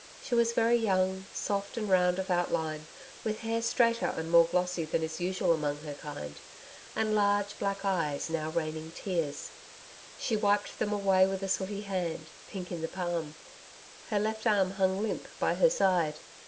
She was very young, soft and round of outline, with hair straighter and more glossy than is usual among her kind, and large black eyes now raining tears. She wiped them away with a sooty hand, pink in the palm. Her left arm hung limp by her side.